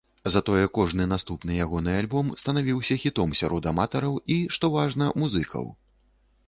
Затое кожны наступны ягоны альбом станавіўся хітом сярод аматараў, і што важна, музыкаў.